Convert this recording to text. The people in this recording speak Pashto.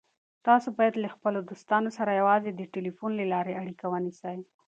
تاسو باید له خپلو دوستانو سره یوازې د ټلیفون له لارې اړیکه ونیسئ.